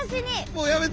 もうやめて！